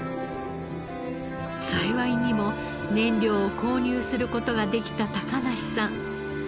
幸いにも燃料を購入する事ができた梨さん。